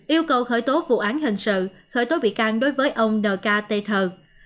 yêu cầu khởi tố vụ án hình sự khởi tố bị can đối với ông nk t thờ